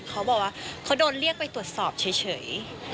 เขาบอกว่าเขาโดนเรียกไปตรวจสอบเฉย